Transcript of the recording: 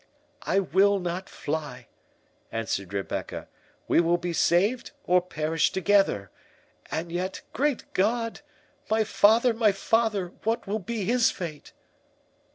"I will not fly," answered Rebecca; "we will be saved or perish together—And yet, great God!—my father, my father—what will be his fate!"